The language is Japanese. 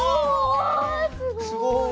おすごい。